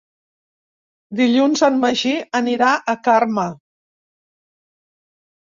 Dilluns en Magí anirà a Carme.